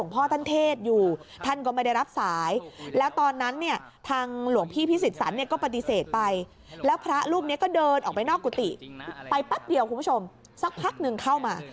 ไปปั๊บเดี๋ยวคุณผู้ชมสักพักหนึ่งเข้ามา